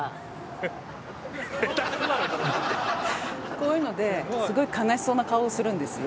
こういうのですごい悲しそうな顔をするんですよ。